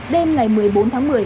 đêm ngày một mươi bốn tháng một mươi